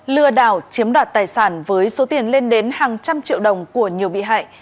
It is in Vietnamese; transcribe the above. lừa đảo chiếm đoạt tài sản với số tiền lên đến hàng trăm triệu đồng của nhiều bị hại